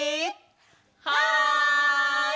はい！